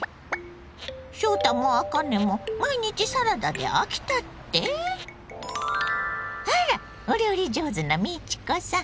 翔太もあかねも毎日サラダで飽きたって⁉あらお料理上手な美智子さん！